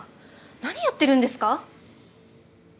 何やってるんですか！